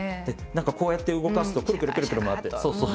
何かこうやって動かすとくるくるくるくる回って。